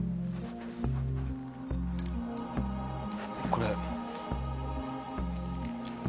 これ。